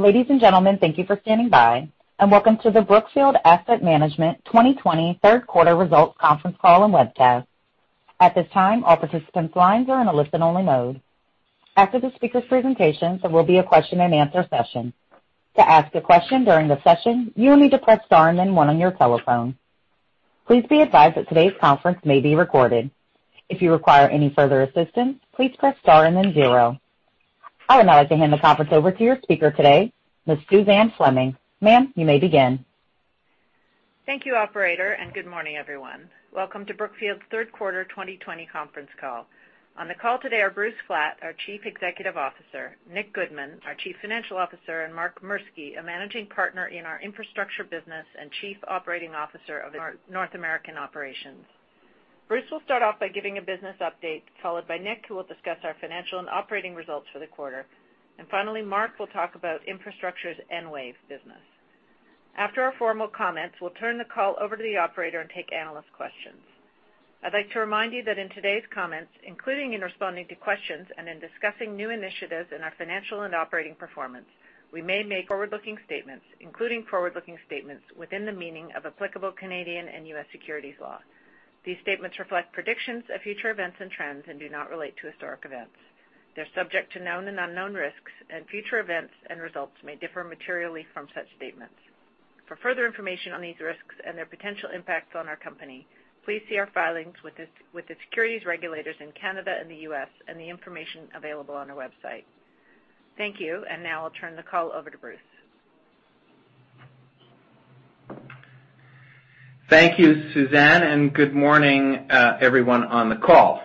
Ladies and gentlemen, thank you for standing by, and welcome to the Brookfield Asset Management 2020 Third Quarter Results Conference Call and Webcast. At this time, all participants' lines are in a listen-only mode. After the speakers' presentation, there will be a question and answer session. To ask a question during the session, you will need to press star and then one on your telephone. Please be advised that today's conference may be recorded. If you require any further assistance, please press star and then zero. I would now like to hand the conference over to your speaker today, Ms. Suzanne Fleming. Ma'am, you may begin. Thank you operator. Good morning, everyone. Welcome to Brookfield's third quarter 2020 conference call. On the call today are Bruce Flatt, our Chief Executive Officer, Nick Goodman, our Chief Financial Officer, and Mark Murski, a managing partner in our infrastructure business and Chief Operating Officer of our North American operations. Bruce will start off by giving a business update, followed by Nick, who will discuss our financial and operating results for the quarter. Finally, Mark will talk about infrastructure's Enwave business. After our formal comments, we'll turn the call over to the operator and take analyst questions. I'd like to remind you that in today's comments, including in responding to questions and in discussing new initiatives in our financial and operating performance, we may make forward-looking statements, including forward-looking statements within the meaning of applicable Canadian and U.S. securities law. These statements reflect predictions of future events and trends and do not relate to historic events. They're subject to known and unknown risks, and future events and results may differ materially from such statements. For further information on these risks and their potential impacts on our company, please see our filings with the securities regulators in Canada and the U.S., and the information available on our website. Thank you. Now I'll turn the call over to Bruce. Thank you, Suzanne. Good morning everyone on the call.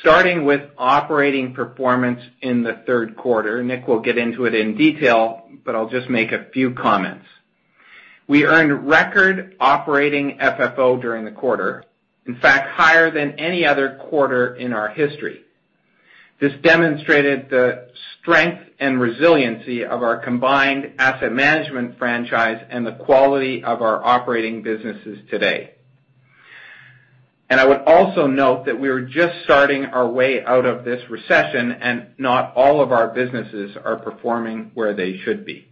Starting with operating performance in the third quarter. Nick will get into it in detail. I'll just make a few comments. We earned record operating FFO during the quarter. In fact, higher than any other quarter in our history. This demonstrated the strength and resiliency of our combined asset management franchise and the quality of our operating businesses today. I would also note that we are just starting our way out of this recession, and not all of our businesses are performing where they should be.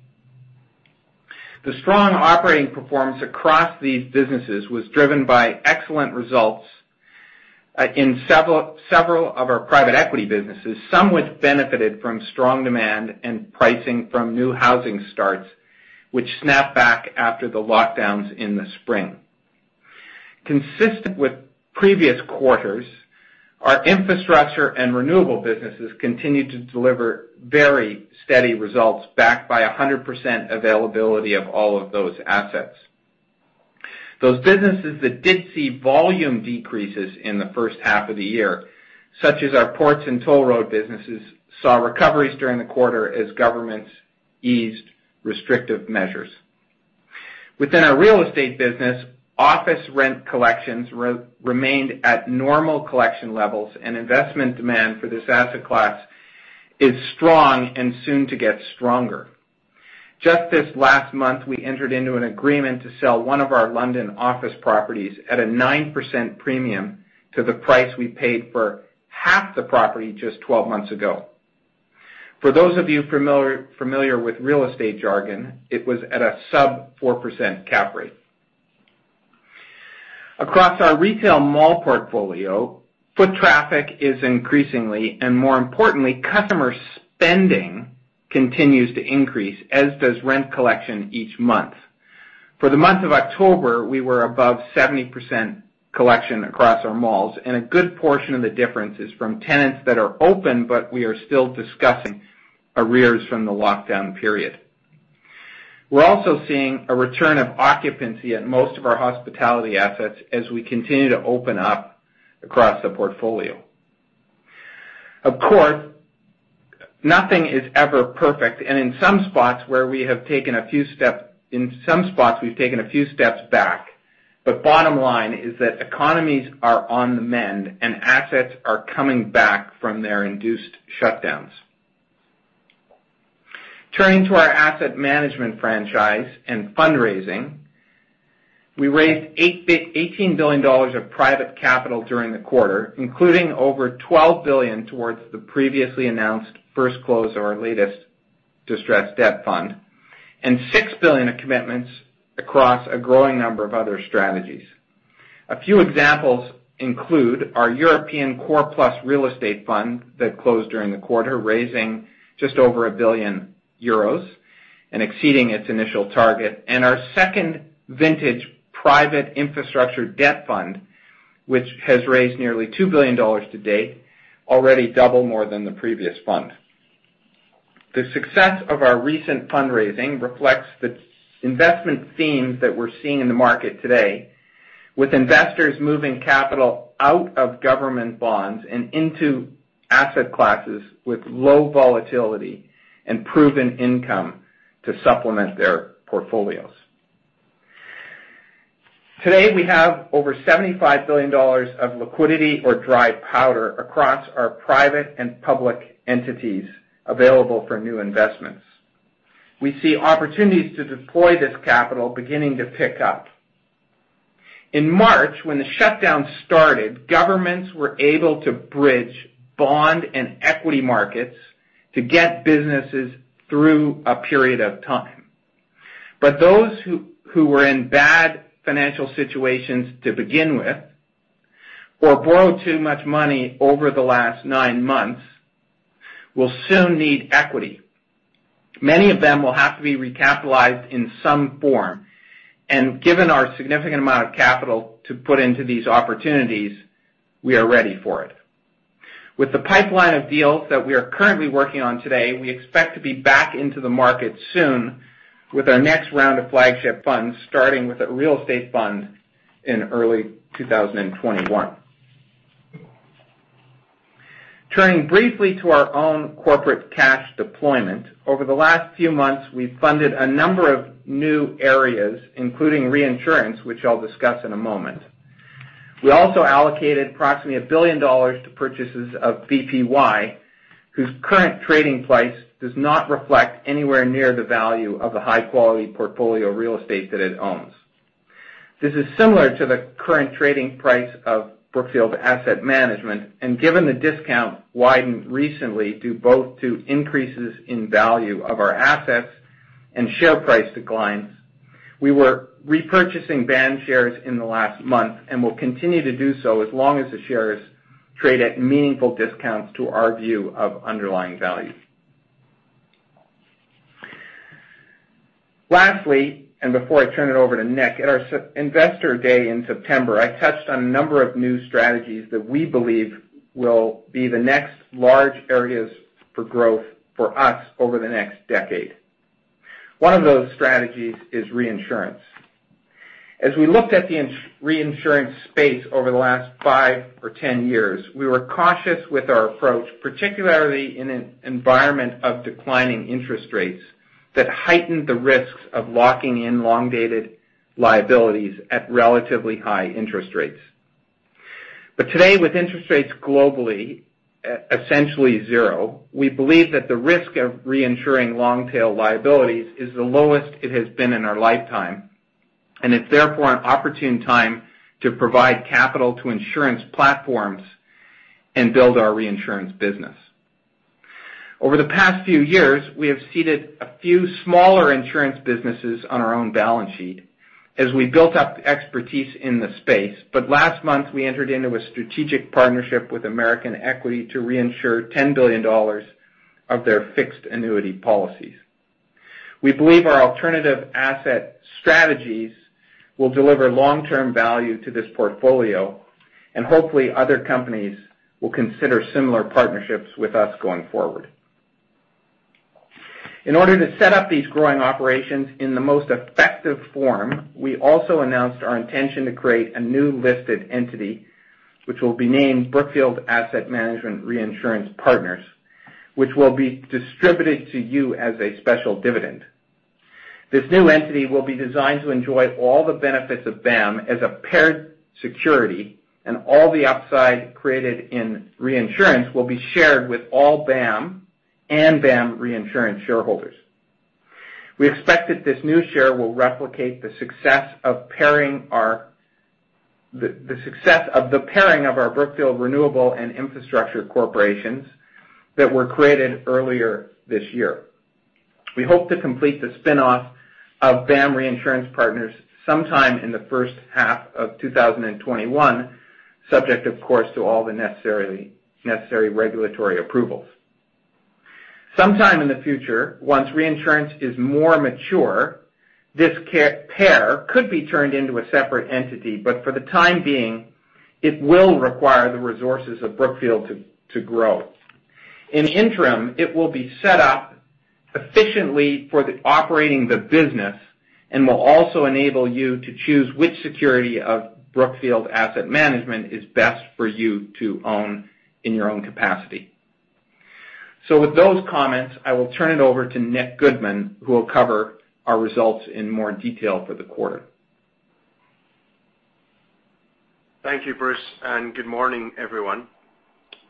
The strong operating performance across these businesses was driven by excellent results, in several of our private equity businesses. Some which benefited from strong demand and pricing from new housing starts, which snapped back after the lockdowns in the spring. Consistent with previous quarters, our infrastructure and renewable businesses continued to deliver very steady results, backed by 100% availability of all of those assets. Those businesses that did see volume decreases in the first half of the year, such as our ports and toll road businesses, saw recoveries during the quarter as governments eased restrictive measures. Within our real estate business, office rent collections remained at normal collection levels, and investment demand for this asset class is strong and soon to get stronger. Just this last month, we entered into an agreement to sell one of our London office properties at a 9% premium to the price we paid for half the property just 12 months ago. For those of you familiar with real estate jargon, it was at a sub 4% cap rate. Across our retail mall portfolio, foot traffic is increasingly, and more importantly, customer spending continues to increase, as does rent collection each month. For the month of October, we were above 70% collection across our malls, and a good portion of the difference is from tenants that are open, but we are still discussing arrears from the lockdown period. We're also seeing a return of occupancy at most of our hospitality assets as we continue to open up across the portfolio. Of course, nothing is ever perfect, and in some spots we've taken a few steps back. Bottom line is that economies are on the mend, and assets are coming back from their induced shutdowns. Turning to our asset management franchise and fundraising. We raised $18 billion of private capital during the quarter, including over $12 billion towards the previously announced first close of our latest distressed debt fund, and $6 billion of commitments across a growing number of other strategies. A few examples include our European core plus real estate fund that closed during the quarter, raising just over 1 billion euros and exceeding its initial target. Our second vintage private infrastructure debt fund, which has raised nearly $2 billion to date, already double more than the previous fund. The success of our recent fundraising reflects the investment themes that we're seeing in the market today, with investors moving capital out of government bonds and into asset classes with low volatility and proven income to supplement their portfolios. Today, we have over $75 billion of liquidity or dry powder across our private and public entities available for new investments. We see opportunities to deploy this capital beginning to pick up. In March, when the shutdown started, governments were able to bridge bond and equity markets to get businesses through a period of time. Those who were in bad financial situations to begin with or borrowed too much money over the last nine months will soon need equity. Many of them will have to be recapitalized in some form, and given our significant amount of capital to put into these opportunities, we are ready for it. With the pipeline of deals that we are currently working on today, we expect to be back into the market soon with our next round of flagship funds, starting with a real estate fund in early 2021. Turning briefly to our own corporate cash deployment. Over the last few months, we've funded a number of new areas, including reinsurance, which I'll discuss in a moment. We also allocated approximately $1 billion to purchases of BPY, whose current trading price does not reflect anywhere near the value of the high-quality portfolio real estate that it owns. This is similar to the current trading price of Brookfield Asset Management, and given the discount widened recently, due both to increases in value of our assets and share price declines, we were repurchasing BAM shares in the last month and will continue to do so as long as the shares trade at meaningful discounts to our view of underlying value. Lastly, before I turn it over to Nick, at our Investor Day in September, I touched on a number of new strategies that we believe will be the next large areas for growth for us over the next decade. One of those strategies is reinsurance. As we looked at the reinsurance space over the last five or 10 years, we were cautious with our approach, particularly in an environment of declining interest rates that heightened the risks of locking in long-dated liabilities at relatively high interest rates. Today, with interest rates globally essentially zero, we believe that the risk of reinsuring long-tail liabilities is the lowest it has been in our lifetime. It's therefore an opportune time to provide capital to insurance platforms and build our reinsurance business. Over the past few years, we have seeded a few smaller insurance businesses on our own balance sheet as we built up expertise in the space. Last month, we entered into a strategic partnership with American Equity to reinsure $10 billion of their fixed annuity policies. We believe our alternative asset strategies will deliver long-term value to this portfolio, and hopefully other companies will consider similar partnerships with us going forward. In order to set up these growing operations in the most effective form, we also announced our intention to create a new listed entity, which will be named Brookfield Asset Management Reinsurance Partners, which will be distributed to you as a special dividend. This new entity will be designed to enjoy all the benefits of BAM as a paired security, and all the upside created in reinsurance will be shared with all BAM and BAM Reinsurance shareholders. We expect that this new share will replicate the success of the pairing of our Brookfield Renewable and Infrastructure Corporations that were created earlier this year. We hope to complete the spin-off of BAM Reinsurance Partners sometime in the first half of 2021, subject, of course, to all the necessary regulatory approvals. Sometime in the future, once reinsurance is more mature, this pair could be turned into a separate entity. For the time being, it will require the resources of Brookfield to grow. In the interim, it will be set up efficiently for operating the business and will also enable you to choose which security of Brookfield Asset Management is best for you to own in your own capacity. With those comments, I will turn it over to Nick Goodman, who will cover our results in more detail for the quarter. Thank you, Bruce. Good morning, everyone.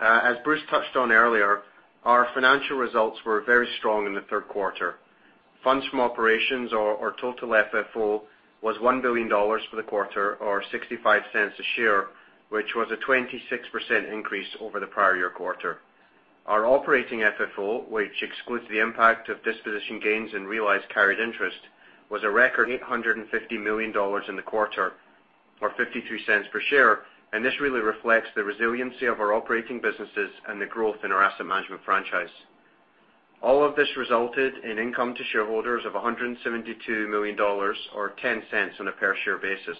As Bruce touched on earlier, our financial results were very strong in the third quarter. Funds from operations or total FFO was $1 billion for the quarter or $0.65 a share, which was a 26% increase over the prior year quarter. Our operating FFO, which excludes the impact of disposition gains and realized carried interest, was a record $850 million in the quarter or $0.53 per share. This really reflects the resiliency of our operating businesses and the growth in our asset management franchise. All of this resulted in income to shareholders of $172 million or $0.10 on a per-share basis.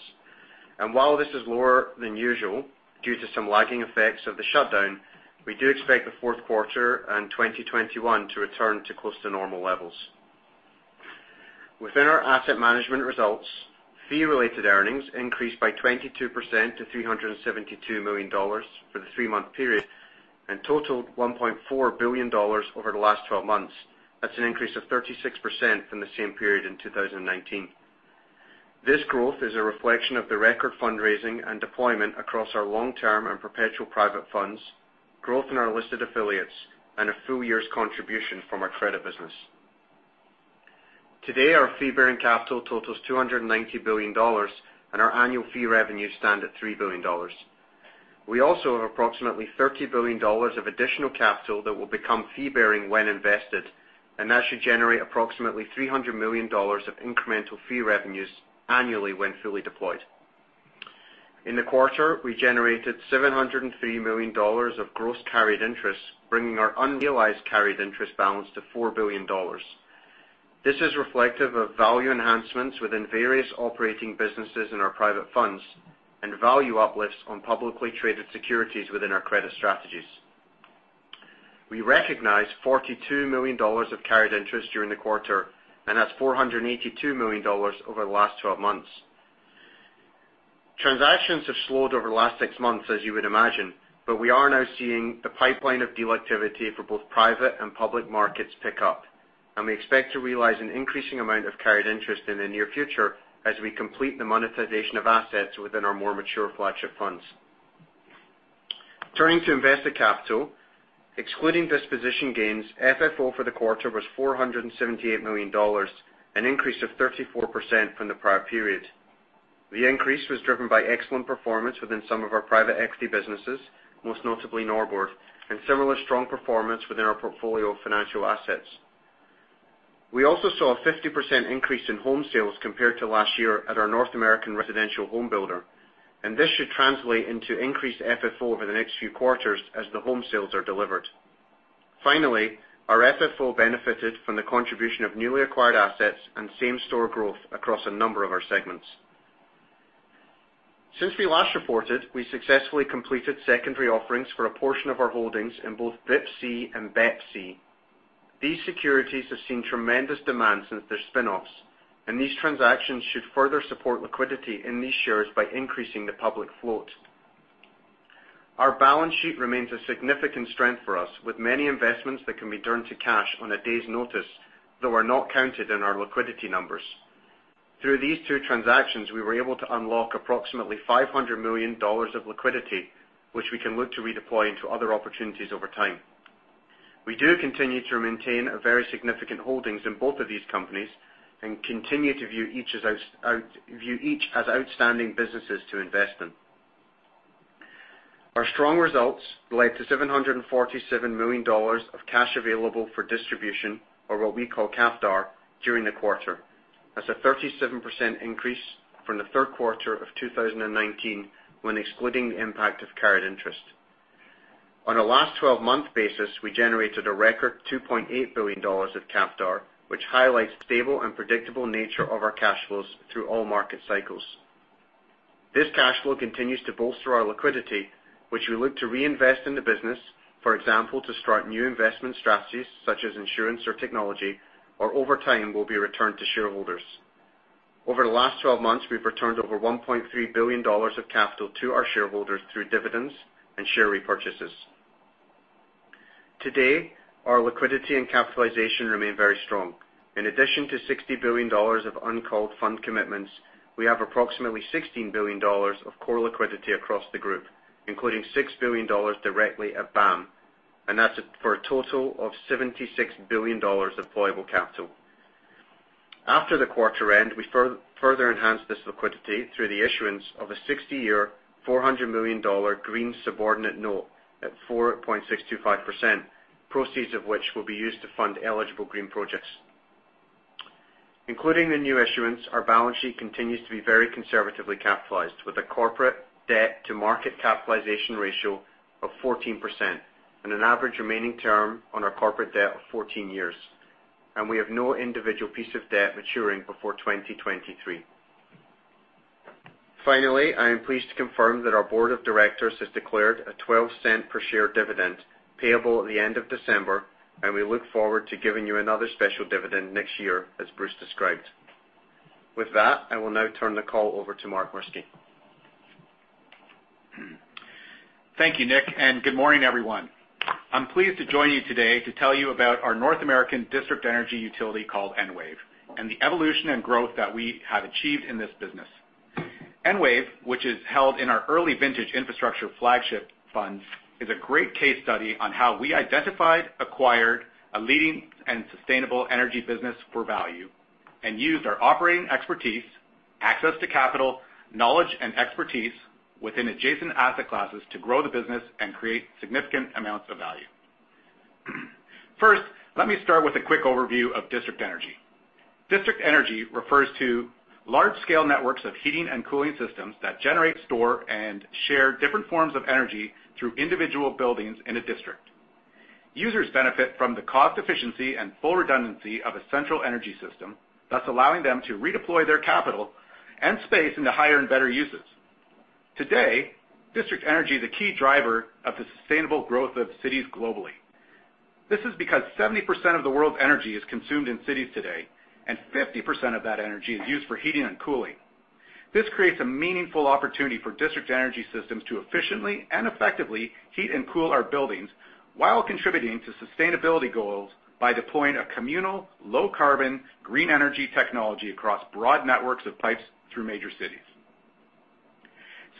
While this is lower than usual due to some lagging effects of the shutdown, we do expect the fourth quarter and 2021 to return to close to normal levels. Within our asset management results, fee-related earnings increased by 22% to $372 million for the three-month period and totaled $1.4 billion over the last 12 months. That's an increase of 36% from the same period in 2019. This growth is a reflection of the record fundraising and deployment across our long-term and perpetual private funds, growth in our listed affiliates, and a full year's contribution from our credit business. Today, our fee-bearing capital totals $290 billion, and our annual fee revenue stand at $3 billion. We also have approximately $30 billion of additional capital that will become fee-bearing when invested, and that should generate approximately $300 million of incremental fee revenues annually when fully deployed. In the quarter, we generated $703 million of gross carried interest, bringing our unrealized carried interest balance to $4 billion. This is reflective of value enhancements within various operating businesses in our private funds, and value uplifts on publicly traded securities within our credit strategies. We recognized $42 million of carried interest during the quarter, and that's $482 million over the last 12 months. Transactions have slowed over the last six months, as you would imagine, but we are now seeing the pipeline of deal activity for both private and public markets pick up, and we expect to realize an increasing amount of carried interest in the near future as we complete the monetization of assets within our more mature flagship funds. Turning to invested capital, excluding disposition gains, FFO for the quarter was $478 million, an increase of 34% from the prior period. The increase was driven by excellent performance within some of our private equity businesses, most notably Norbord, and similar strong performance within our portfolio of financial assets. We also saw a 50% increase in home sales compared to last year at our North American residential home builder, and this should translate into increased FFO over the next few quarters as the home sales are delivered. Finally, our FFO benefited from the contribution of newly acquired assets and same-store growth across a number of our segments. Since we last reported, we successfully completed secondary offerings for a portion of our holdings in both BIPC and BEPC. These securities have seen tremendous demand since their spin-offs, and these transactions should further support liquidity in these shares by increasing the public float. Our balance sheet remains a significant strength for us, with many investments that can be turned to cash on a day's notice, though are not counted in our liquidity numbers. Through these two transactions, we were able to unlock approximately $500 million of liquidity, which we can look to redeploy into other opportunities over time. We do continue to maintain a very significant holdings in both of these companies, and continue to view each as outstanding businesses to invest in. Our strong results led to $747 million of Cash Available for Distribution, or what we call CAFD, during the quarter. That's a 37% increase from the third quarter of 2019 when excluding the impact of carried interest. On a last 12-month basis, we generated a record $2.8 billion of CAFD, which highlights the stable and predictable nature of our cash flows through all market cycles. This cash flow continues to bolster our liquidity, which we look to reinvest in the business, for example, to start new investment strategies such as insurance or technology, or over time, will be returned to shareholders. Over the last 12 months, we've returned over $1.3 billion of capital to our shareholders through dividends and share repurchases. Today, our liquidity and capitalization remain very strong. In addition to $60 billion of uncalled fund commitments, we have approximately $16 billion of core liquidity across the group, including $6 billion directly at BAM, and that's for a total of $76 billion of deployable capital. After the quarter end, we further enhanced this liquidity through the issuance of a 60-year, $400 million green subordinate note at 4.625%, proceeds of which will be used to fund eligible green projects. Including the new issuance, our balance sheet continues to be very conservatively capitalized, with a corporate debt to market capitalization ratio of 14% and an average remaining term on our corporate debt of 14 years, and we have no individual piece of debt maturing before 2023. Finally, I am pleased to confirm that our board of directors has declared a $0.12 per share dividend payable at the end of December, and we look forward to giving you another special dividend next year, as Bruce described. With that, I will now turn the call over to Mark Murski. Thank you, Nick, good morning, everyone. I'm pleased to join you today to tell you about our North American district energy utility called Enwave and the evolution and growth that we have achieved in this business. Enwave, which is held in our early vintage infrastructure flagship funds, is a great case study on how we identified, acquired a leading and sustainable energy business for value and used our operating expertise, access to capital, knowledge and expertise within adjacent asset classes to grow the business and create significant amounts of value. First, let me start with a quick overview of district energy. District energy refers to large-scale networks of heating and cooling systems that generate, store, and share different forms of energy through individual buildings in a district. Users benefit from the cost efficiency and full redundancy of a central energy system, thus allowing them to redeploy their capital and space into higher and better uses. Today, district energy is a key driver of the sustainable growth of cities globally. This is because 70% of the world's energy is consumed in cities today, and 50% of that energy is used for heating and cooling. This creates a meaningful opportunity for district energy systems to efficiently and effectively heat and cool our buildings while contributing to sustainability goals by deploying a communal, low-carbon, green energy technology across broad networks of pipes through major cities.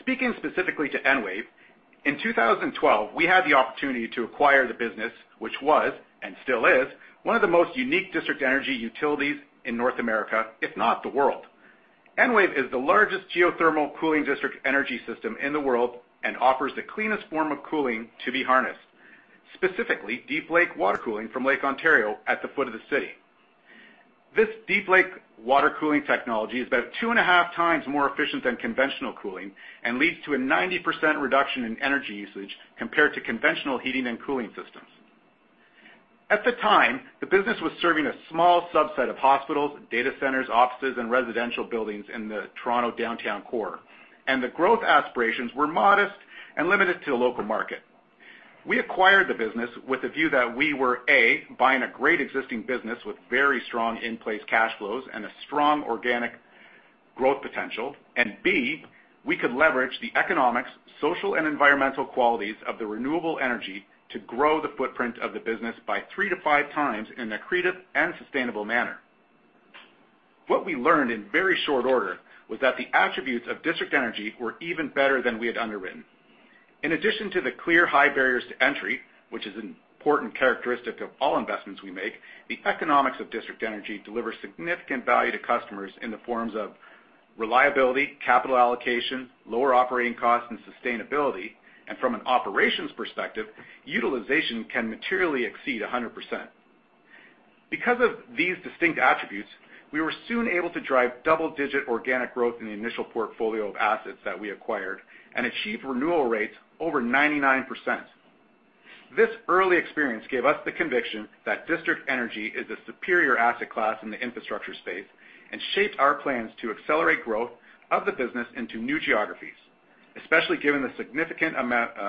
Speaking specifically to Enwave, in 2012, we had the opportunity to acquire the business, which was, and still is, one of the most unique district energy utilities in North America, if not the world. Enwave is the largest geothermal cooling district energy system in the world and offers the cleanest form of cooling to be harnessed, specifically deep lake water cooling from Lake Ontario at the foot of the city. This deep lake water cooling technology is about two and a half times more efficient than conventional cooling and leads to a 90% reduction in energy usage compared to conventional heating and cooling systems. At the time, the business was serving a small subset of hospitals, data centers, offices, and residential buildings in the Toronto downtown core, and the growth aspirations were modest and limited to the local market. We acquired the business with a view that we were, A, buying a great existing business with very strong in-place cash flows and a strong organic growth potential. B, we could leverage the economics, social, and environmental qualities of the renewable energy to grow the footprint of the business by 3 to 5 times in an accretive and sustainable manner. What we learned in very short order was that the attributes of district energy were even better than we had underwritten. In addition to the clear high barriers to entry, which is an important characteristic of all investments we make, the economics of district energy deliver significant value to customers in the forms of reliability, capital allocation, lower operating costs, and sustainability. From an operations perspective, utilization can materially exceed 100%. Because of these distinct attributes, we were soon able to drive double-digit organic growth in the initial portfolio of assets that we acquired and achieve renewal rates over 99%. This early experience gave us the conviction that district energy is a superior asset class in the infrastructure space and shaped our plans to accelerate growth of the business into new geographies, especially given the significant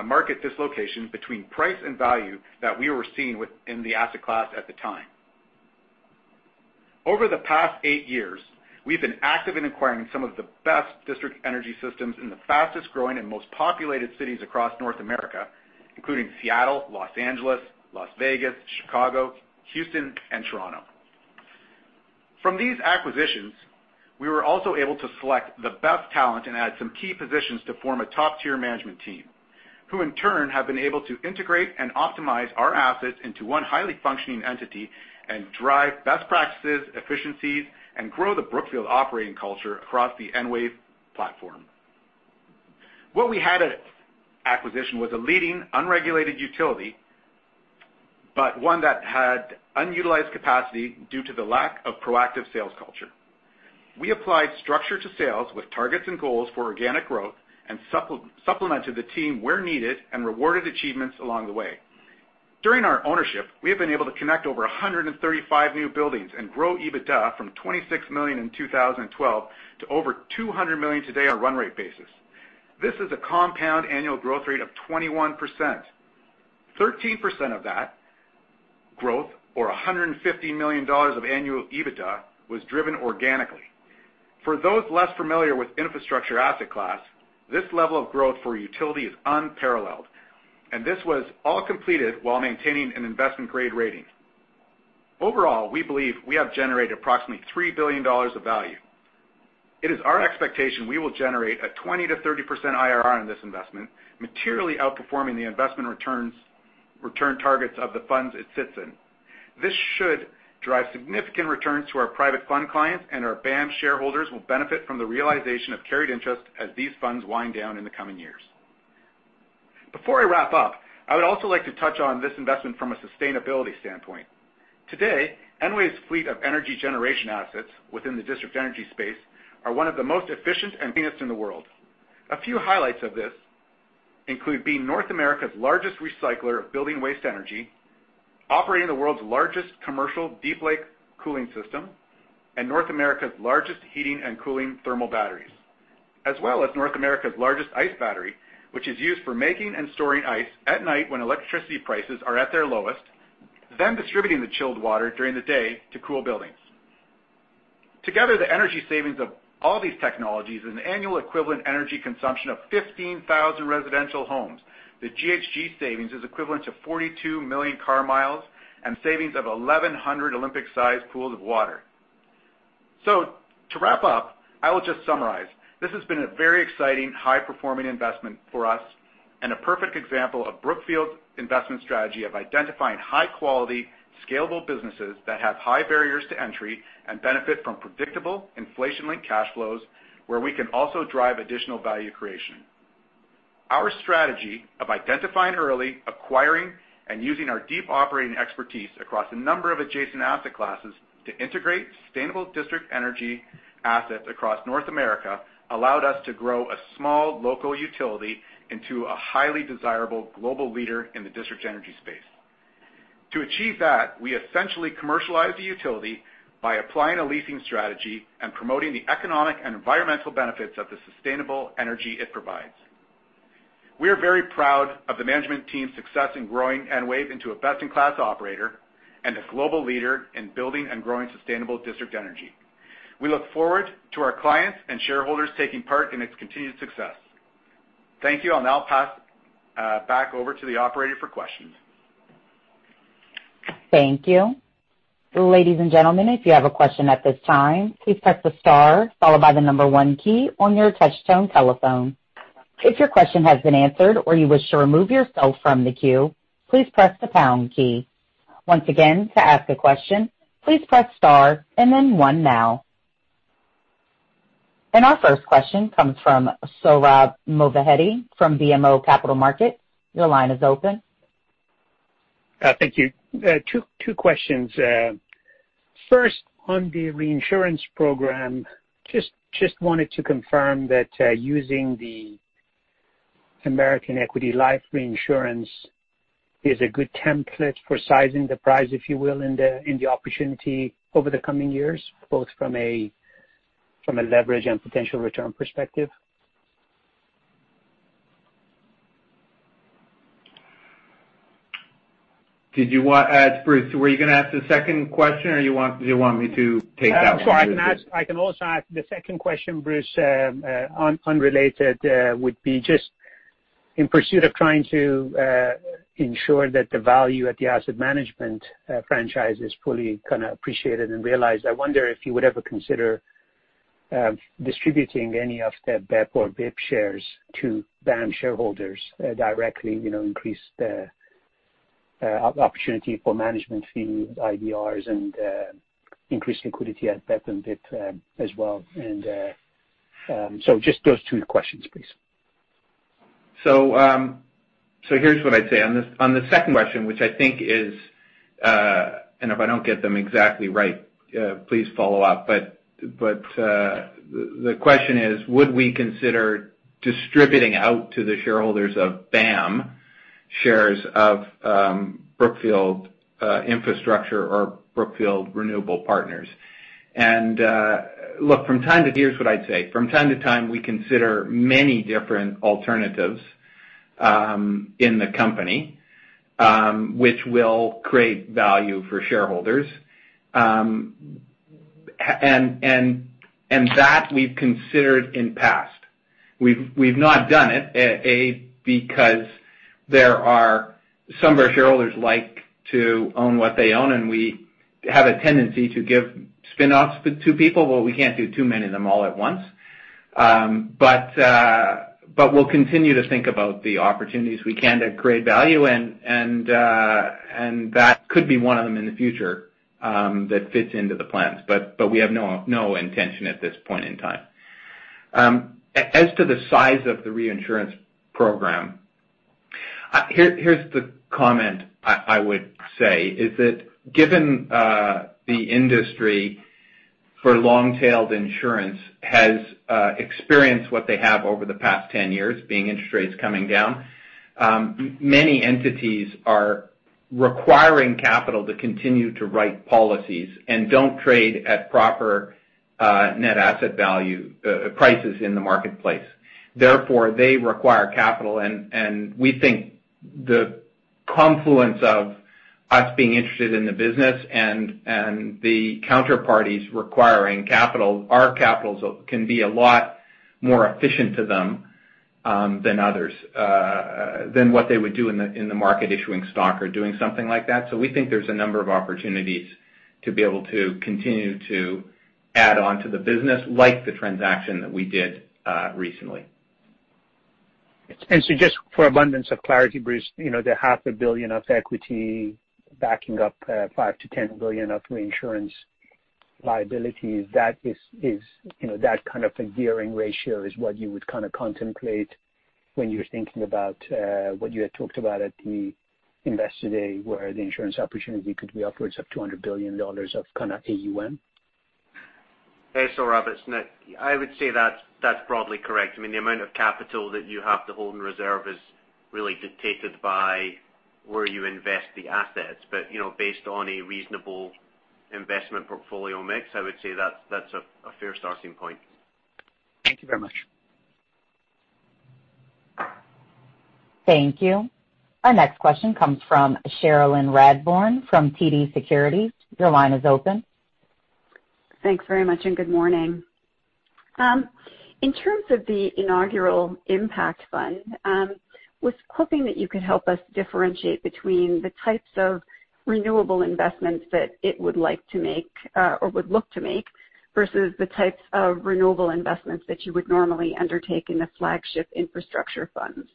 market dislocation between price and value that we were seeing within the asset class at the time. Over the past eight years, we've been active in acquiring some of the best district energy systems in the fastest-growing and most populated cities across North America, including Seattle, Los Angeles, Las Vegas, Chicago, Houston, and Toronto. From these acquisitions, we were also able to select the best talent and add some key positions to form a top-tier management team, who in turn, have been able to integrate and optimize our assets into one highly functioning entity and drive best practices, efficiencies, and grow the Brookfield operating culture across the Enwave platform. What we had at acquisition was a leading unregulated utility, but one that had unutilized capacity due to the lack of proactive sales culture. We applied structure to sales with targets and goals for organic growth and supplemented the team where needed and rewarded achievements along the way. During our ownership, we have been able to connect over 135 new buildings and grow EBITDA from $26 million in 2012 to over $200 million today on a run rate basis. This is a compound annual growth rate of 21%. 13% of that growth or $150 million of annual EBITDA was driven organically. For those less familiar with infrastructure asset class, this level of growth for a utility is unparalleled, and this was all completed while maintaining an investment-grade rating. Overall, we believe we have generated approximately $3 billion of value. It is our expectation we will generate a 20%-30% IRR on this investment, materially outperforming the investment return targets of the funds it sits in. This should drive significant returns to our private fund clients, and our BAM shareholders will benefit from the realization of carried interest as these funds wind down in the coming years. Before I wrap up, I would also like to touch on this investment from a sustainability standpoint. Today, Enwave's fleet of energy generation assets within the district energy space are one of the most efficient and cleanest in the world. A few highlights of this include being North America's largest recycler of building waste energy, operating the world's largest commercial deep lake cooling system, and North America's largest heating and cooling thermal batteries. As well as North America's largest ice battery, which is used for making and storing ice at night when electricity prices are at their lowest, then distributing the chilled water during the day to cool buildings. Together, the energy savings of all these technologies is an annual equivalent energy consumption of 15,000 residential homes. The GHG savings is equivalent to 42 million car miles and savings of 1,100 Olympic-sized pools of water. To wrap up, I will just summarize. This has been a very exciting, high-performing investment for us and a perfect example of Brookfield's investment strategy of identifying high-quality, scalable businesses that have high barriers to entry and benefit from predictable inflation-linked cash flows where we can also drive additional value creation. Our strategy of identifying early, acquiring, and using our deep operating expertise across a number of adjacent asset classes to integrate sustainable district energy assets across North America allowed us to grow a small local utility into a highly desirable global leader in the district energy space. To achieve that, we essentially commercialized the utility by applying a leasing strategy and promoting the economic and environmental benefits of the sustainable energy it provides. We are very proud of the management team's success in growing Enwave into a best-in-class operator and a global leader in building and growing sustainable district energy. We look forward to our clients and shareholders taking part in its continued success. Thank you. I'll now pass back over to the operator for questions. Thank you. Ladies and gentlemen, if you have a question at this time, please press the star followed by the number one key on your touch-tone telephone. If your question has been answered or you wish to remove yourself from the queue, please press the pound key. Once again, to ask a question, please press star and then one now. Our first question comes from Sohrab Movahedi from BMO Capital Markets. Your line is open. Thank you. Two questions. First, on the reinsurance program, just wanted to confirm that using the American Equity Life reinsurance is a good template for sizing the prize, if you will, in the opportunity over the coming years, both from a leverage and potential return perspective. It's Bruce, were you going to ask the second question, or do you want me to take that one? That's all right. I can also ask the second question, Bruce, unrelated, would be just in pursuit of trying to ensure that the value at the asset management franchise is fully kind of appreciated and realized. I wonder if you would ever consider distributing any of the BEP or BIP shares to BAM shareholders directly, increase the opportunity for management fees, IDRs, and increase liquidity at BEP and BIP as well. Just those two questions, please. Here's what I'd say. On the second question, which I think, and if I don't get them exactly right, please follow up, but the question is, would we consider distributing out to the shareholders of BAM shares of Brookfield Infrastructure or Brookfield Renewable Partners? Here's what I'd say. From time to time, we consider many different alternatives in the company which will create value for shareholders. That we've considered in past. We've not done it. A, because there are some shareholders like to own what they own, and we have a tendency to give spin-offs to people, but we can't do too many of them all at once. We'll continue to think about the opportunities we can to create value, and that could be one of them in the future that fits into the plans. We have no intention at this point in time. As to the size of the reinsurance program, here's the comment I would say, is that given the industry for long-tailed insurance has experienced what they have over the past 10 years, being interest rates coming down, many entities are requiring capital to continue to write policies and don't trade at proper net asset value prices in the marketplace. They require capital, and we think the confluence of us being interested in the business and the counterparties requiring capital, our capital can be a lot more efficient to them than others, than what they would do in the market issuing stock or doing something like that. We think there's a number of opportunities to be able to continue to add on to the business like the transaction that we did recently. Just for abundance of clarity, Bruce, the half a billion of equity backing up $5 billion-$10 billion of reinsurance liability, that kind of a gearing ratio is what you would kind of contemplate when you're thinking about what you had talked about at the Investor Day, where the insurance opportunity could be upwards of $200 billion of kind of AUM. Hey, Sohrab. It's Nick. I would say that's broadly correct. I mean, the amount of capital that you have to hold in reserve is really dictated by where you invest the assets. Based on a reasonable investment portfolio mix, I would say that's a fair starting point. Thank you very much. Thank you. Our next question comes from Cherilyn Radbourne from TD Securities. Your line is open. Thanks very much. Good morning. In terms of the inaugural impact fund, was hoping that you could help us differentiate between the types of renewable investments that it would like to make or would look to make versus the types of renewable investments that you would normally undertake in the flagship infrastructure funds.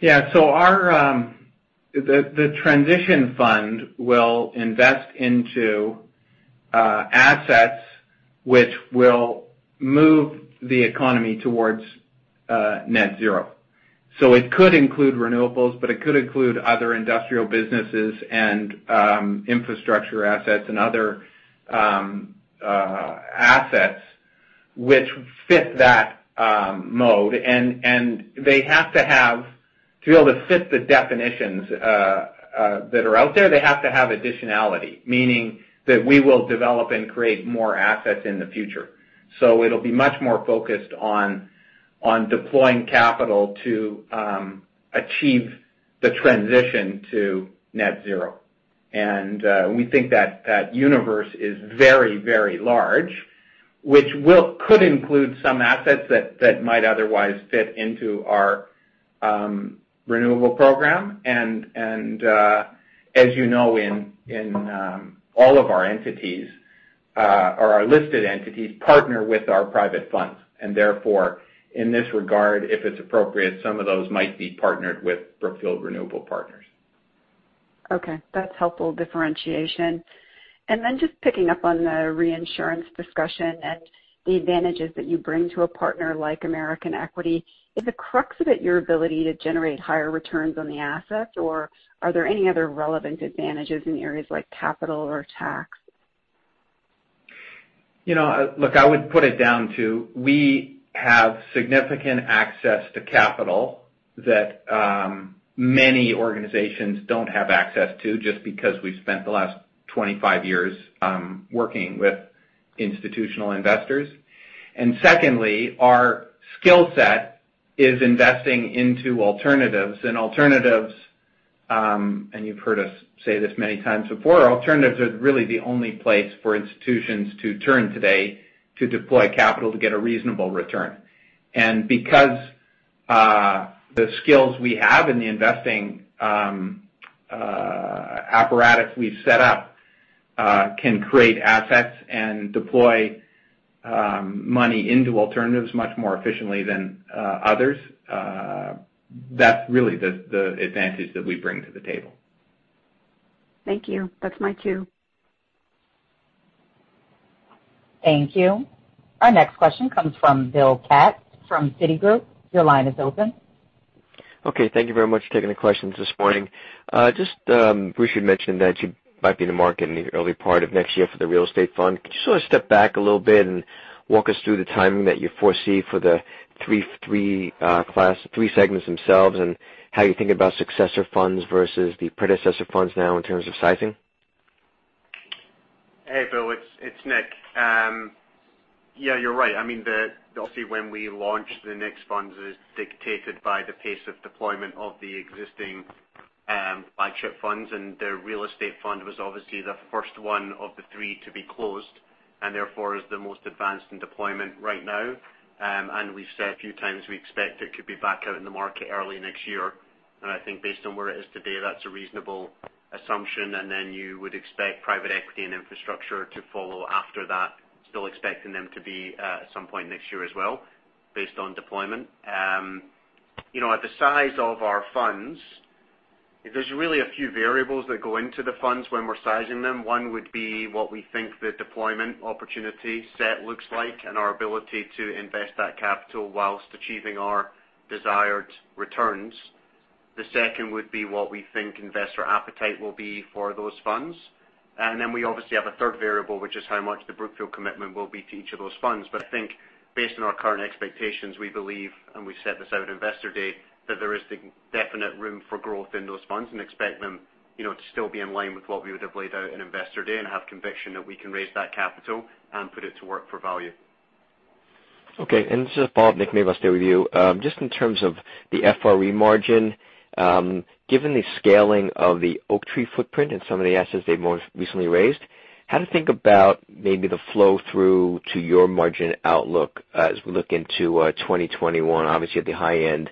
Yeah. The transition fund will invest into assets which will move the economy towards net zero. It could include renewables, but it could include other industrial businesses and infrastructure assets and other assets which fit that mode. To be able to fit the definitions that are out there, they have to have additionality, meaning that we will develop and create more assets in the future. It'll be much more focused on deploying capital to achieve the transition to net zero. We think that that universe is very large, which could include some assets that might otherwise fit into our renewable program. As you know, in all of our entities, or our listed entities, partner with our private funds, and therefore, in this regard, if it's appropriate, some of those might be partnered with Brookfield Renewable Partners. Okay. That's helpful differentiation. Just picking up on the reinsurance discussion and the advantages that you bring to a partner like American Equity. Is the crux of it your ability to generate higher returns on the asset, or are there any other relevant advantages in areas like capital or tax? Look, I would put it down to, we have significant access to capital that many organizations don't have access to just because we've spent the last 25 years working with institutional investors. Secondly, our skill set is investing into alternatives. You've heard us say this many times before, alternatives are really the only place for institutions to turn today to deploy capital to get a reasonable return. Because the skills we have and the investing apparatus we've set up can create assets and deploy money into alternatives much more efficiently than others, that's really the advantage that we bring to the table. Thank you. That's my cue. Thank you. Our next question comes from Bill Katz from Citigroup. Your line is open. Okay. Thank you very much for taking the questions this morning. Just, Bruce, you'd mentioned that you might be in the market in the early part of next year for the real estate fund. Could you sort of step back a little bit and walk us through the timing that you foresee for the three segments themselves, and how you think about successor funds versus the predecessor funds now in terms of sizing? Hey, Bill, it's Nick. Yeah, you're right. Obviously, when we launch the next funds is dictated by the pace of deployment of the existing flagship funds. The real estate fund was obviously the first one of the three to be closed, therefore is the most advanced in deployment right now. We've said a few times, we expect it could be back out in the market early next year. I think based on where it is today, that's a reasonable assumption. Then you would expect private equity and infrastructure to follow after that, still expecting them to be at some point next year as well, based on deployment. At the size of our funds, there's really a few variables that go into the funds when we're sizing them. One would be what we think the deployment opportunity set looks like and our ability to invest that capital while achieving our desired returns. The second would be what we think investor appetite will be for those funds. Then we obviously have a third variable, which is how much the Brookfield commitment will be to each of those funds. I think based on our current expectations, we believe, and we said this at our Investor Day, that there is the definite room for growth in those funds and expect them to still be in line with what we would have laid out in Investor Day and have conviction that we can raise that capital and put it to work for value. Okay. This is for Nick, maybe I'll stay with you. Just in terms of the FRE margin, given the scaling of the Oaktree footprint and some of the assets they've most recently raised, how to think about maybe the flow-through to your margin outlook as we look into 2021, obviously at the high end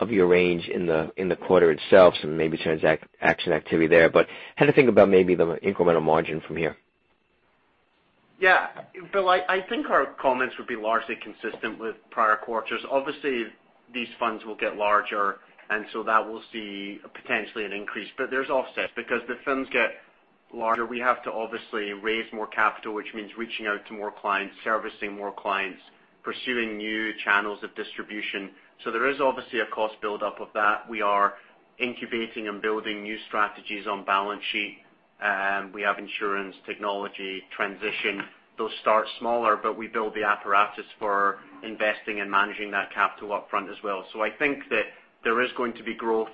of your range in the quarter itself, some maybe transaction activity there, how to think about maybe the incremental margin from here? Yeah. Bill, I think our comments would be largely consistent with prior quarters. Obviously, these funds will get larger, and so that will see potentially an increase. There's offsets. Because the funds get larger, we have to obviously raise more capital, which means reaching out to more clients, servicing more clients, pursuing new channels of distribution. There is obviously a cost buildup of that. We are incubating and building new strategies on balance sheet. We have insurance, technology, transition. Those start smaller, but we build the apparatus for investing and managing that capital up front as well. I think that there is going to be growth.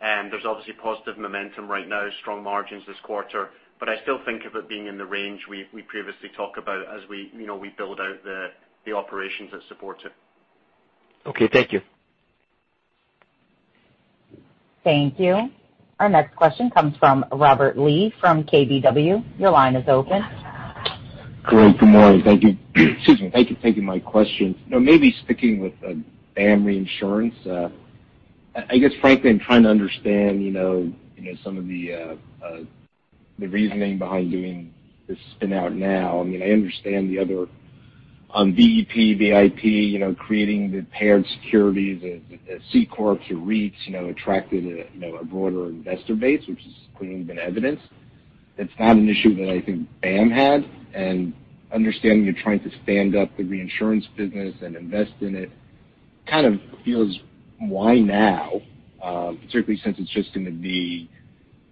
There's obviously positive momentum right now, strong margins this quarter, but I still think of it being in the range we previously talk about as we build out the operations that support it. Okay, thank you. Thank you. Our next question comes from Robert Lee from KBW. Your line is open. Great. Good morning. Thank you for taking my questions. Maybe sticking with BAM Reinsurance. I guess, frankly, I'm trying to understand some of the reasoning behind doing this spin-out now. I understand the other BEP, BIP, creating the paired securities, the C corps or REITs attracted a broader investor base, which is clearly been evidenced. That's not an issue that I think BAM had. Understanding you're trying to stand up the reinsurance business and invest in it kind of feels. Why now? Particularly since it's just going to be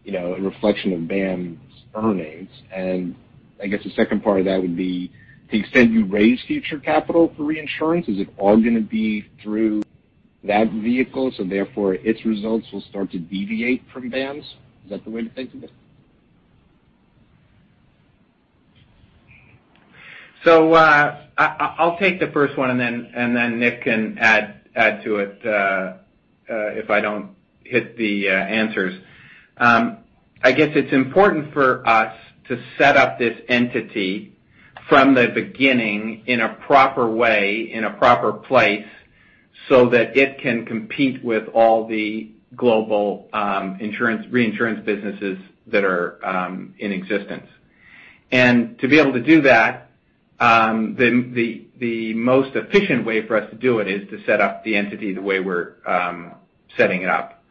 a reflection of BAM's earnings. I guess the second part of that would be the extent you raise future capital for reinsurance, is it all going to be through that vehicle, so therefore its results will start to deviate from BAM's? Is that the way to think of it? I'll take the first one, and then Nick can add to it. If I don't hit the answers. I guess it's important for us to set up this entity from the beginning in a proper way, in a proper place, so that it can compete with all the global reinsurance businesses that are in existence. To be able to do that, the most efficient way for us to do it is to set up the entity the way we're setting it up.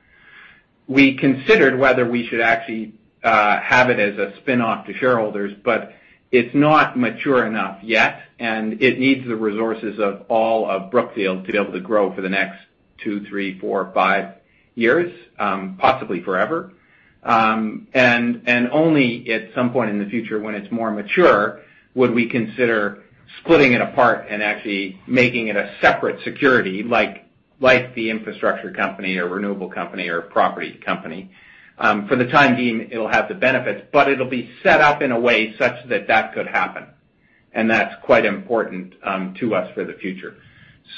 We considered whether we should actually have it as a spinoff to shareholders, but it's not mature enough yet, and it needs the resources of all of Brookfield to be able to grow for the next two, three, four, five years, possibly forever. Only at some point in the future when it's more mature would we consider splitting it apart and actually making it a separate security like the infrastructure company or renewable company or property company. For the time being, it'll have the benefits, but it'll be set up in a way such that that could happen. That's quite important to us for the future.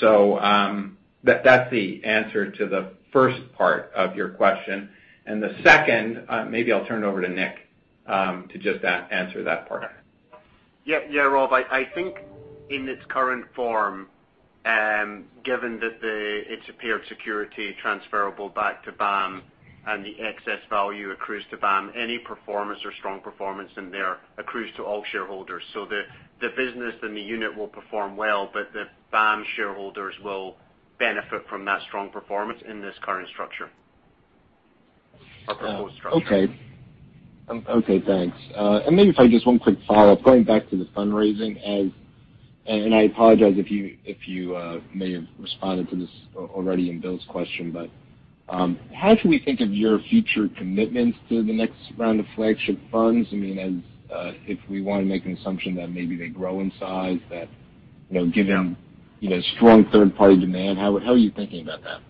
That's the answer to the first part of your question. The second, maybe I'll turn it over to Nick to just answer that part. Yeah, Rob, I think in its current form, given that it's a paired security transferable back to BAM and the excess value accrues to BAM, any performance or strong performance in there accrues to all shareholders. The business and the unit will perform well, but the BAM shareholders will benefit from that strong performance in this current structure or proposed structure. Okay, thanks. Maybe if I could, just one quick follow-up, going back to the fundraising. I apologize if you may have responded to this already in Bill's question, how should we think of your future commitments to the next round of flagship funds? I mean, if we want to make an assumption that maybe they grow in size, that given strong third-party demand, how are you thinking about that?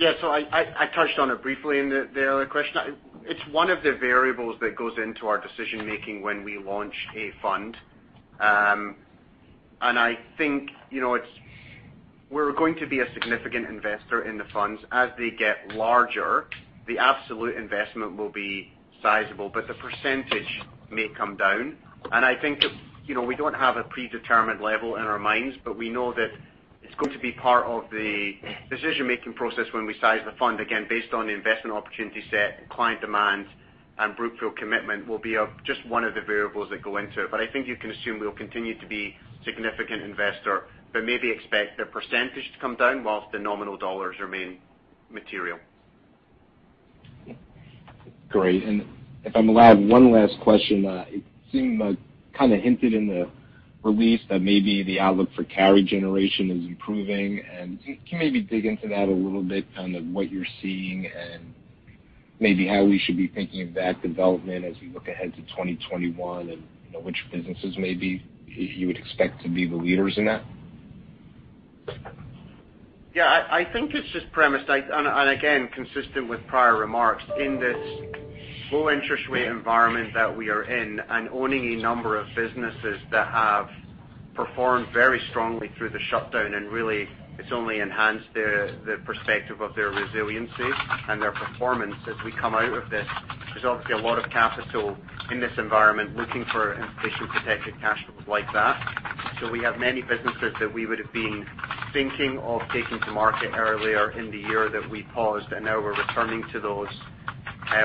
Yeah. I touched on it briefly in the other question. It's one of the variables that goes into our decision-making when we launch a fund. I think we're going to be a significant investor in the funds. As they get larger, the absolute investment will be sizable, but the percentage may come down. I think that we don't have a predetermined level in our minds, but we know that it's going to be part of the decision-making process when we size the fund, again, based on the investment opportunity set, client demand, and Brookfield commitment will be just one of the variables that go into it. I think you can assume we'll continue to be a significant investor, but maybe expect the percentage to come down while the nominal dollars remain material. Great. If I'm allowed one last question. It seemed like kind of hinted in the release that maybe the outlook for carry generation is improving. Can you maybe dig into that a little bit, kind of what you're seeing and maybe how we should be thinking of that development as we look ahead to 2021, and which businesses maybe you would expect to be the leaders in that? Yeah, I think it's just premise. Again, consistent with prior remarks. In this low interest rate environment that we are in and owning a number of businesses that have performed very strongly through the shutdown, and really it's only enhanced the perspective of their resiliency and their performance as we come out of this. There's obviously a lot of capital in this environment looking for inflation protected cash flows like that. We have many businesses that we would've been thinking of taking to market earlier in the year that we paused, and now we're returning to those.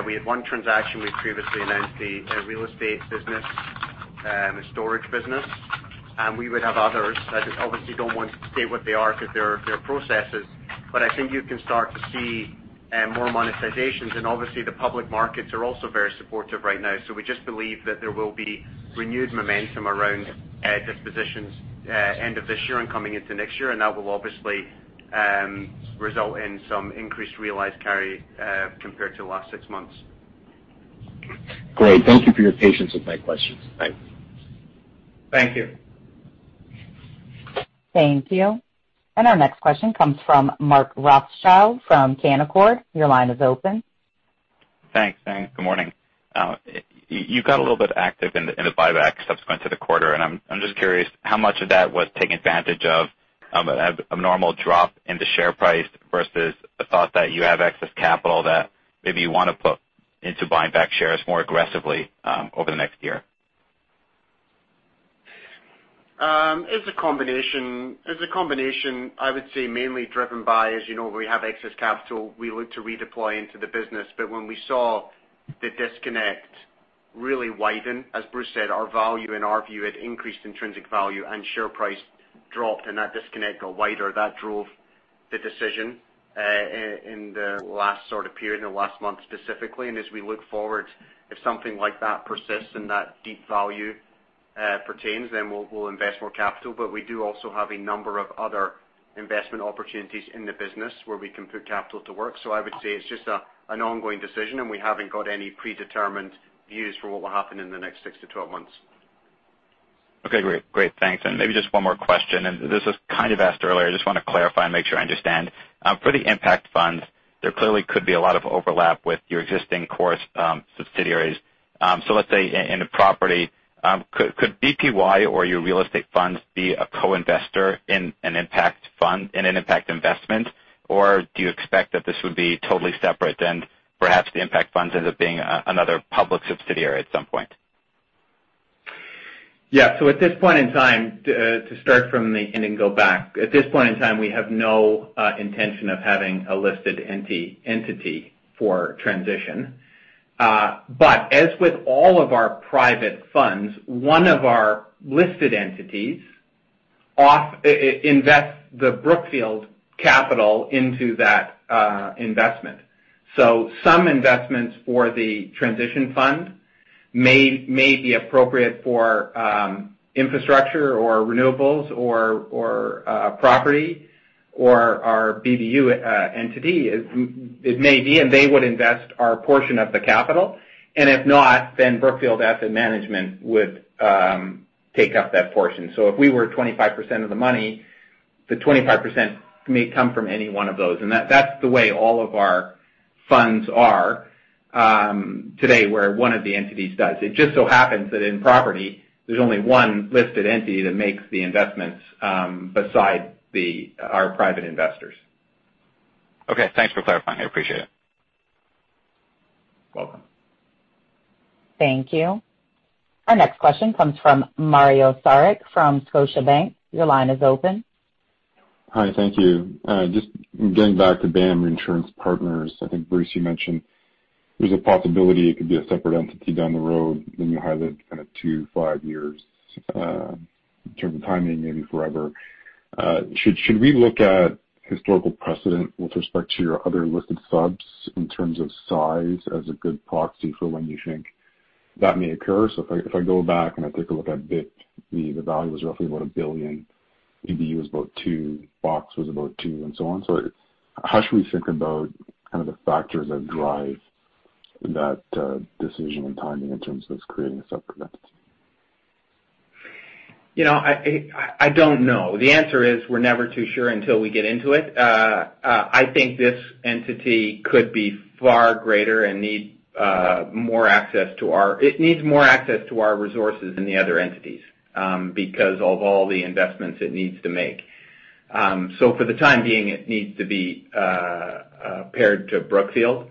We had one transaction we previously announced, a real estate business, a storage business, and we would have others. I obviously don't want to state what they are because they're processes. I think you can start to see more monetizations. Obviously the public markets are also very supportive right now. We just believe that there will be renewed momentum around dispositions end of this year and coming into next year. That will obviously result in some increased realized carry compared to the last six months. Great. Thank you for your patience with my questions. Thanks. Thank you. Thank you. Our next question comes from Mark Rothschild from Canaccord. Your line is open. Thanks. Good morning. You got a little bit active in the buyback subsequent to the quarter, and I'm just curious how much of that was taking advantage of an abnormal drop in the share price versus the thought that you have excess capital that maybe you want to put into buying back shares more aggressively over the next year? It's a combination. I would say mainly driven by, as you know, we have excess capital we look to redeploy into the business. When we saw the disconnect really widen, as Bruce said, our value in our view had increased intrinsic value and share price dropped, and that disconnect got wider. That drove the decision in the last sort of period, in the last month specifically. As we look forward, if something like that persists and that deep value pertains, then we'll invest more capital. We do also have a number of other investment opportunities in the business where we can put capital to work. I would say it's just an ongoing decision, and we haven't got any predetermined views for what will happen in the next six to 12 months. Okay, great. Thanks. Maybe just one more question, this was kind of asked earlier. I just want to clarify and make sure I understand. For the impact funds, there clearly could be a lot of overlap with your existing core subsidiaries. Let's say in a property, could BPY or your real estate funds be a co-investor in an impact fund, in an impact investment? Do you expect that this would be totally separate and perhaps the impact funds end up being another public subsidiary at some point? Yeah. At this point in time, to start from the end and go back, at this point in time, we have no intention of having a listed entity for transition. As with all of our private funds, one of our listed entities invests the Brookfield capital into that investment. Some investments for the Transition Fund may be appropriate for Infrastructure or Renewables or Property or our BBU entity. It may be, they would invest our portion of the capital, if not, Brookfield Asset Management would take up that portion. If we were 25% of the money, the 25% may come from any one of those. That's the way all of our funds are today, where one of the entities does. It just so happens that in Property, there's only one listed entity that makes the investments besides our private investors. Okay. Thanks for clarifying. I appreciate it. Welcome. Thank you. Our next question comes from Mario Saric from Scotiabank. Your line is open. Hi. Thank you. Just getting back to BAM Insurance Partners. I think, Bruce, you mentioned there's a possibility it could be a separate entity down the road when you highlight kind of two to five years in terms of timing, maybe forever. Should we look at historical precedent with respect to your other listed subs in terms of size as a good proxy for when you think that may occur? If I go back and I take a look at BIP, the value was roughly about $1 billion, BBU was about $2, BPY was about $2, and so on. How should we think about kind of the factors that drive that decision and timing in terms of creating a separate entity? I don't know. The answer is, we're never too sure until we get into it. I think this entity could be far greater and it needs more access to our resources than the other entities because of all the investments it needs to make. For the time being, it needs to be paired to Brookfield.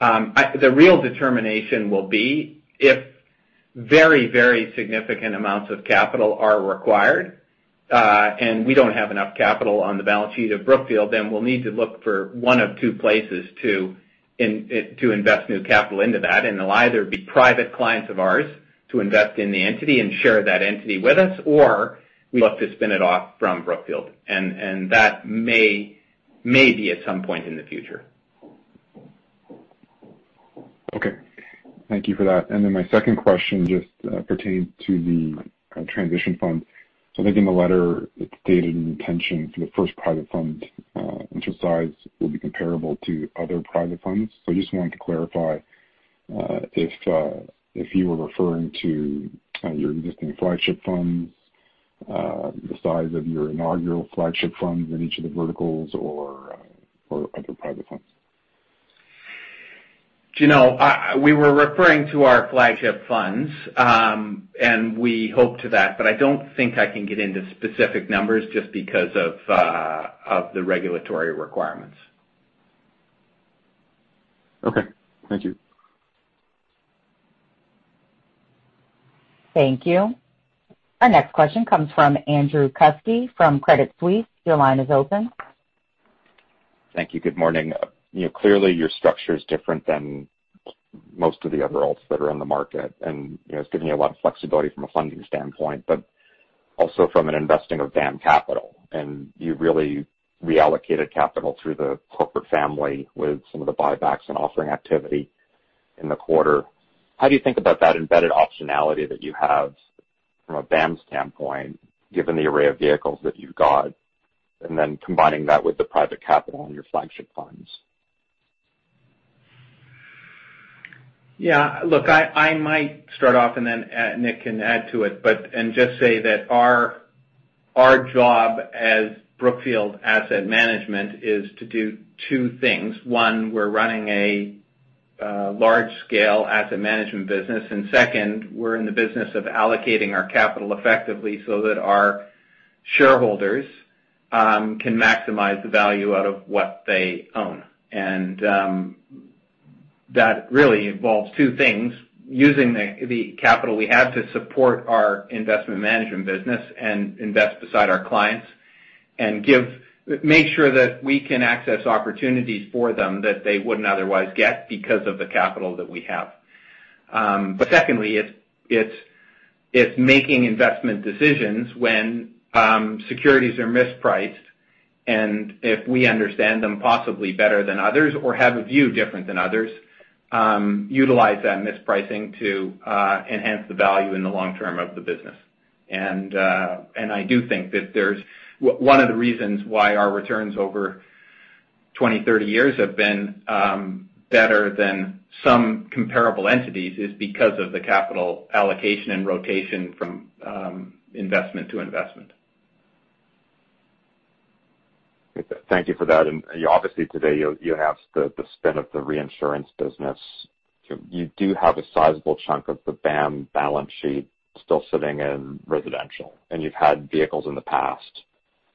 The real determination will be if very significant amounts of capital are required and we don't have enough capital on the balance sheet of Brookfield, then we'll need to look for one of two places to invest new capital into that. It'll either be private clients of ours to invest in the entity and share that entity with us, or we look to spin it off from Brookfield, and that may be at some point in the future. Okay. Thank you for that. My second question just pertains to the transition fund. I think in the letter, it stated an intention for the first private fund in terms of size will be comparable to other private funds. I just wanted to clarify if you were referring to your existing flagship funds, the size of your inaugural flagship funds in each of the verticals or other private funds. We were referring to our flagship funds, and we hope to that, but I don't think I can get into specific numbers just because of the regulatory requirements. Okay. Thank you. Thank you. Our next question comes from Andrew Kuske from Credit Suisse. Your line is open. Thank you. Good morning. Clearly, your structure is different than most of the other alts that are on the market, and it's giving you a lot of flexibility from a funding standpoint, but also from an investing of BAM capital. You really reallocated capital through the corporate family with some of the buybacks and offering activity in the quarter. How do you think about that embedded optionality that you have from a BAM standpoint, given the array of vehicles that you've got, and then combining that with the private capital and your flagship funds? Yeah. Look, I might start off and then Nick can add to it. Just say that our job as Brookfield Asset Management is to do two things. One, we're running a large-scale asset management business, and second, we're in the business of allocating our capital effectively so that our shareholders can maximize the value out of what they own. That really involves two things. Using the capital we have to support our investment management business and invest beside our clients, and make sure that we can access opportunities for them that they wouldn't otherwise get because of the capital that we have. Secondly, it's making investment decisions when securities are mispriced, and if we understand them possibly better than others or have a view different than others, utilize that mispricing to enhance the value in the long term of the business. I do think that one of the reasons why our returns over 20, 30 years have been better than some comparable entities is because of the capital allocation and rotation from investment to investment. Thank you for that. Obviously today, you have the spin of the reinsurance business. You do have a sizable chunk of the BAM balance sheet still sitting in residential, and you've had vehicles in the past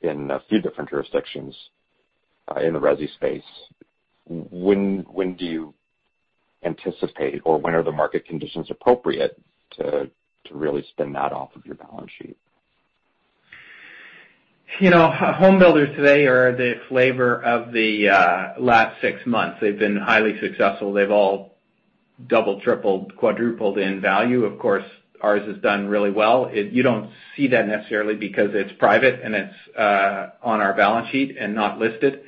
in a few different jurisdictions in the resi space. When do you anticipate, or when are the market conditions appropriate to really spin that off of your balance sheet? Home builders today are the flavor of the last six months. They've been highly successful. They've all doubled, tripled, quadrupled in value. Of course, ours has done really well. You don't see that necessarily because it's private and it's on our balance sheet and not listed.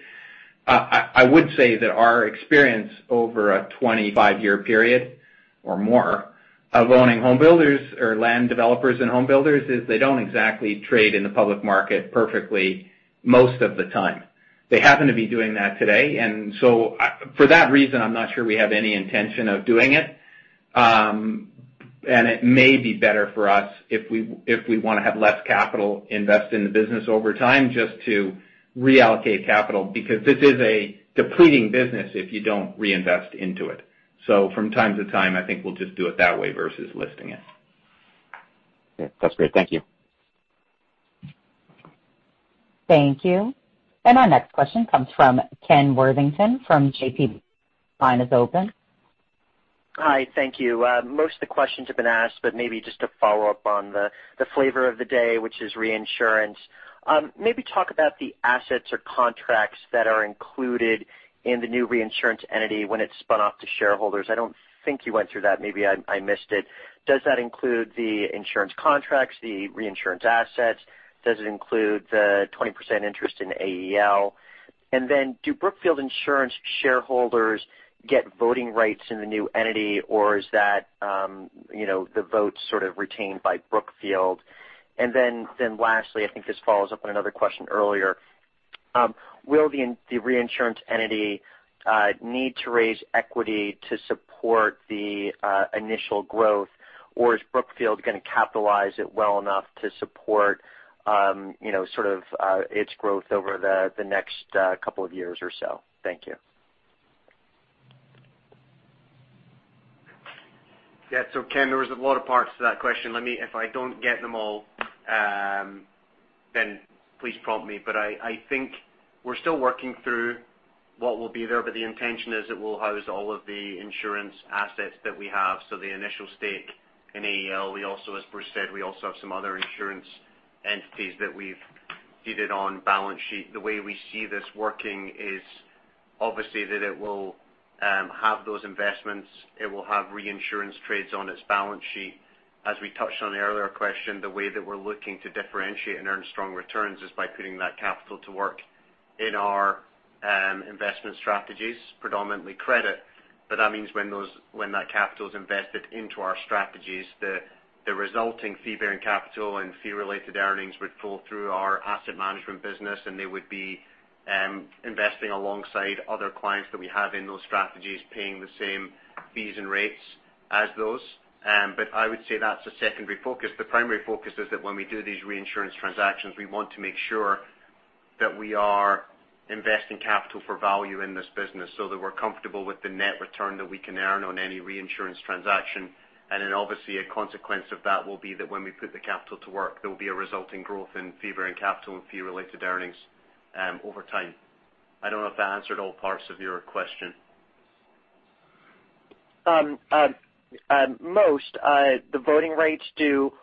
I would say that our experience over a 25-year period or more of loaning home builders or land developers and home builders is they don't exactly trade in the public market perfectly most of the time. They happen to be doing that today. For that reason, I'm not sure we have any intention of doing it. It may be better for us if we want to have less capital invested in the business over time, just to reallocate capital, because this is a depleting business if you don't reinvest into it. From time to time, I think we'll just do it that way versus listing it. Okay. That's great. Thank you. Thank you. Our next question comes from Ken Worthington from JPMorgan. Line is open. Hi. Thank you. Most of the questions have been asked. Maybe just to follow up on the flavor of the day, which is reinsurance. Maybe talk about the assets or contracts that are included in the new reinsurance entity when it is spun off to shareholders. I don't think you went through that. Maybe I missed it. Does that include the insurance contracts, the reinsurance assets? Does it include the 20% interest in AEL? Do Brookfield Reinsurance shareholders get voting rights in the new entity, or is the vote sort of retained by Brookfield? Lastly, I think this follows up on another question earlier. Will the reinsurance entity need to raise equity to support the initial growth, or is Brookfield going to capitalize it well enough to support its growth over the next couple of years or so? Thank you. Yeah. Ken, there was a lot of parts to that question. If I don't get them all, then please prompt me. I think we're still working through what will be there, but the intention is it will house all of the insurance assets that we have. The initial stake in AEL. As Bruce said, we also have some other insurance entities that we've deeded on balance sheet. The way we see this working is obviously that it will have those investments, it will have reinsurance trades on its balance sheet. As we touched on the earlier question, the way that we're looking to differentiate and earn strong returns is by putting that capital to work in our investment strategies, predominantly credit. That means when that capital is invested into our strategies, the resulting fee-bearing capital and fee-related earnings would flow through our asset management business, and they would be investing alongside other clients that we have in those strategies, paying the same fees and rates as those. I would say that's a secondary focus. The primary focus is that when we do these reinsurance transactions, we want to make sure that we are investing capital for value in this business, so that we're comfortable with the net return that we can earn on any reinsurance transaction. Obviously a consequence of that will be that when we put the capital to work, there will be a resulting growth in fee-bearing capital and fee-related earnings over time. I don't know if that answered all parts of your question. Most. The voting rights, do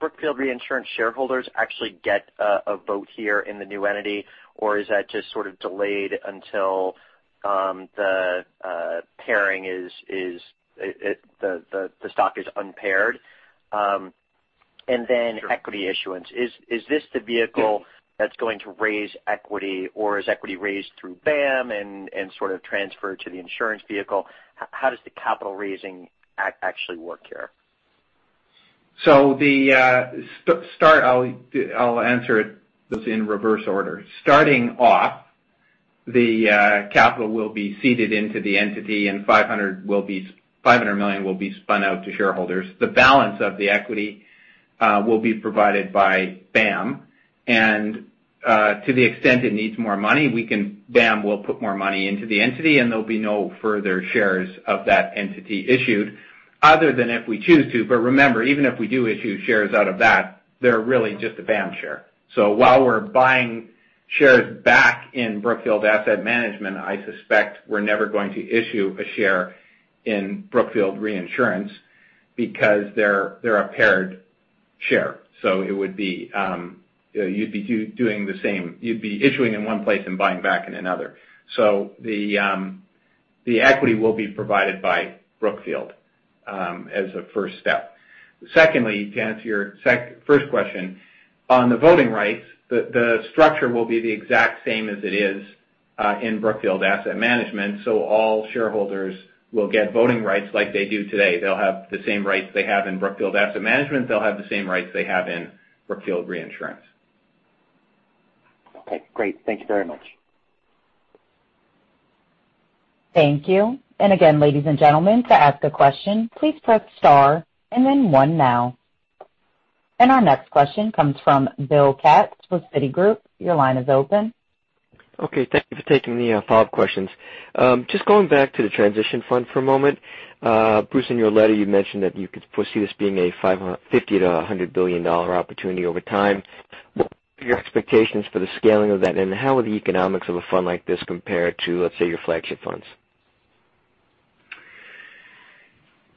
Brookfield Reinsurance shareholders actually get a vote here in the new entity, or is that just sort of delayed until the stock is unpaired? Equity issuance, is this the vehicle that's going to raise equity, or is equity raised through BAM and sort of transferred to the insurance vehicle? How does the capital raising actually work here? To start, I'll answer it in reverse order. Starting off, the capital will be seeded into the entity and $500 million will be spun out to shareholders. The balance of the equity will be provided by BAM, and to the extent it needs more money, BAM will put more money into the entity, and there'll be no further shares of that entity issued other than if we choose to. Remember, even if we do issue shares out of that, they're really just a BAM share. While we're buying shares back in Brookfield Asset Management, I suspect we're never going to issue a share in Brookfield Reinsurance because they're a paired share. You'd be issuing in one place and buying back in another. The equity will be provided by Brookfield as a first step. Secondly, to answer your first question. On the voting rights, the structure will be the exact same as it is in Brookfield Asset Management. All shareholders will get voting rights like they do today. They'll have the same rights they have in Brookfield Asset Management. They'll have the same rights they have in Brookfield Reinsurance. Okay, great. Thank you very much. Thank you. Again, ladies and gentlemen, to ask a question, please press star and then one now. Our next question comes from Bill Katz with Citigroup. Your line is open. Okay, thank you for taking the follow-up questions. Just going back to the transition fund for a moment. Bruce, in your letter, you mentioned that you could foresee this being a $50 billion-$100 billion opportunity over time. What are your expectations for the scaling of that, and how will the economics of a fund like this compare to, let's say, your flagship funds?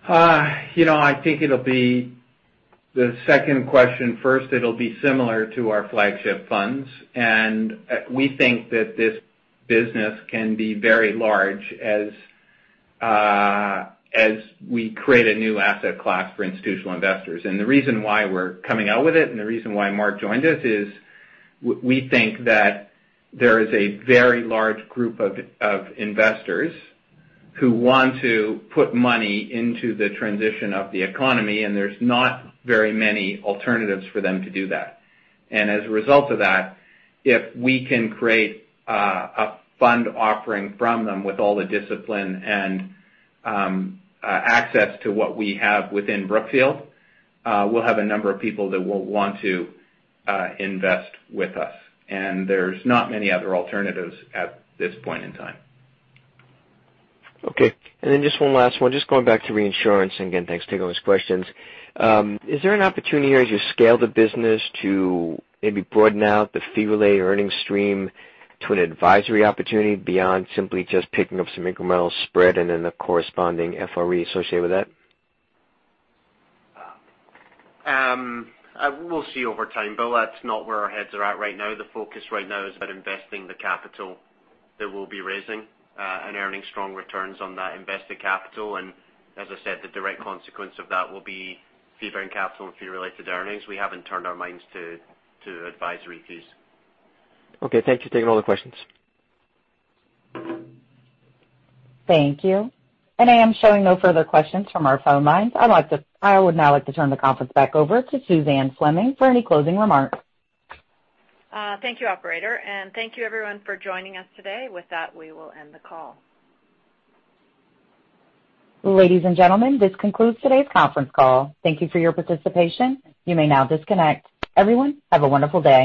I think it'll be the second question first. It'll be similar to our flagship funds. We think that this business can be very large as we create a new asset class for institutional investors. The reason why we're coming out with it, and the reason why Mark joined us is we think that there is a very large group of investors who want to put money into the transition of the economy, and there's not very many alternatives for them to do that. As a result of that, if we can create a fund offering from them with all the discipline and access to what we have within Brookfield, we'll have a number of people that will want to invest with us. There's not many other alternatives at this point in time. Okay. Just one last one. Just going back to reinsurance, and again, thanks for taking all those questions. Is there an opportunity here as you scale the business to maybe broaden out the fee-related earnings stream to an advisory opportunity beyond simply just picking up some incremental spread and then the corresponding FRE associated with that? We'll see over time, Bill. That's not where our heads are at right now. The focus right now is about investing the capital that we'll be raising, and earning strong returns on that invested capital. As I said, the direct consequence of that will be fee-bearing capital and fee-related earnings. We haven't turned our minds to advisory fees. Okay. Thank you for taking all the questions. Thank you. I am showing no further questions from our phone lines. I would now like to turn the conference back over to Suzanne Fleming for any closing remarks. Thank you, operator, and thank you everyone for joining us today. With that, we will end the call. Ladies and gentlemen, this concludes today's conference call. Thank you for your participation. You may now disconnect. Everyone, have a wonderful day.